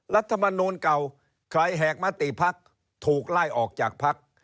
รัฐมนูลเก่าใครแหกมติภักดิ์ถูกไล่ออกจากพัก